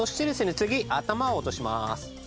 次頭を落とします。